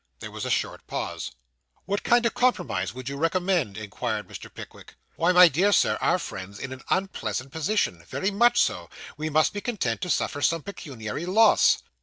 There was a short pause. 'What kind of compromise would you recommend?' inquired Mr. Pickwick. 'Why, my dear Sir, our friend's in an unpleasant position very much so. We must be content to suffer some pecuniary loss.